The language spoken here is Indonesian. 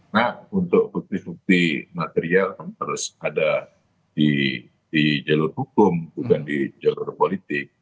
nah untuk bukti bukti material harus ada di jalur hukum bukan di jalur politik